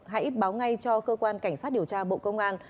hãy báo ngay cho cơ quan cảnh sát điều tra bộ công an